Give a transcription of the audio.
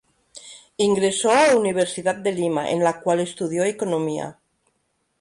Ingresó a la Universidad de Lima, en la cual estudió Economía.